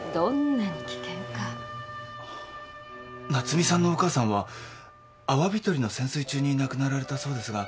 夏海さんのお母さんはアワビ採りの潜水中に亡くなられたそうですが。